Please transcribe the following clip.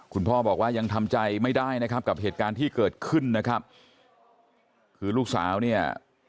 คุณพ่อบอกว่ายังทำใจไม่ได้นะครับกับเหตุการณ์ที่เกิดขึ้นนะครับคือลูกสาวเนี่ย